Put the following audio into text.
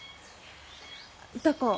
歌子